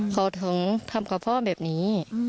เขาถึงทำกับพ่อแบบนี้